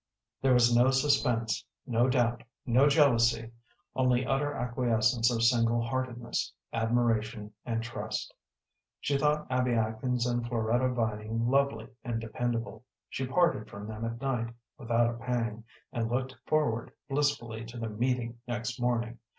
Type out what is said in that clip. There was no suspense, no doubt, no jealousy, only utter acquiescence of single heartedness, admiration, and trust. She thought Abby Atkins and Floretta Vining lovely and dependable; she parted from them at night without a pang, and looked forward blissfully to the meeting next morning.